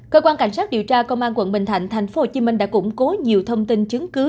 cơ quan cảnh sát điều tra công an quận bình thạnh tp hcm đã củng cố nhiều thông tin chứng cứ